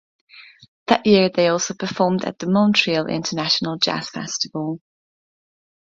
That year they also performed at the Montreal International Jazz Festival.